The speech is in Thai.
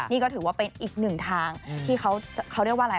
นี่ก็ถือว่าเป็นอีกหนึ่งทางที่เขาเรียกว่าอะไร